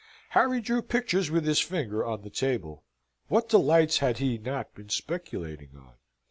Harry drew pictures with his finger on the table. What delights had he not been speculating on?